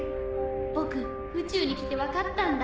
僕宇宙に来て分かったんだ。